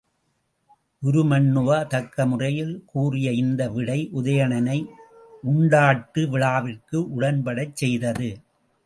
உருமண்ணுவா தக்க முறையில் கூறிய இந்த விடை உதயணனை உண்டாட்டு விழாவிற்கு உடன்படச் செய்தது.